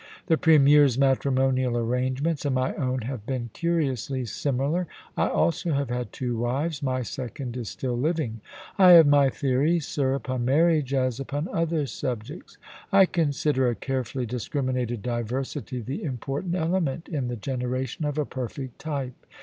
The Premier's matrimonial arrangements and my own have been curiously similar. I also have had two wives ; my second is still living. I have my theories, sir, upon marriage as upon other subjects. I consider a carefully discriminated diversity the important element in the generation of a per fect type.